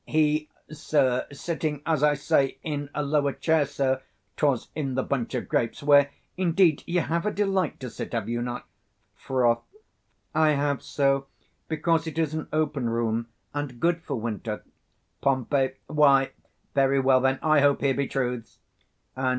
He, sir, sitting, as I say, in a lower chair, sir; 'twas in the Bunch of Grapes, where, indeed, you have a delight to sit, have you not? Froth. I have so; because it is an open room, and 125 good for winter. Pom. Why, very well, then; I hope here be truths. _Ang.